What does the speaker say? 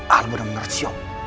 al udah mengerjok